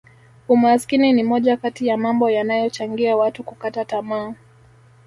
umaskini ni moja kati ya mambo yanayochangia watu kukata tamaa